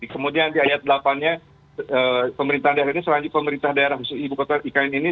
kemudian di ayat delapan nya pemerintahan daerah rusak ini selanjutnya pemerintahan daerah rusak ibu kota ikn ini